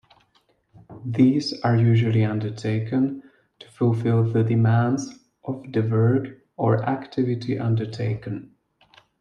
These are usually undertaken to fulfill the demands of the work or activity undertaken.